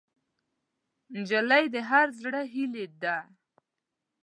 نجلۍ د هر زړه هیلې ده.